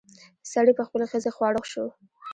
سړي په خپلې ښځې خواړه شو.